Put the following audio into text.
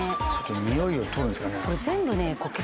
臭いを取るんですかね？